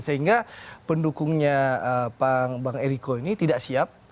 sehingga pendukungnya bang eriko ini tidak siap